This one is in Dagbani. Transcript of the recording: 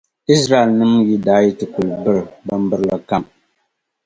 Izraɛlnima daa yi ti kul biri bimbirili kam.